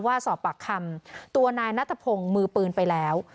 สอบปากคำตัวนายนัทพงศ์มือปืนไปแล้ว